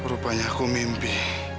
rupanya aku mimpi